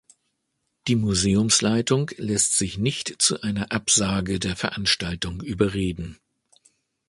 Die Museumsleitung lässt sich nicht zu einer Absage der Veranstaltung überreden.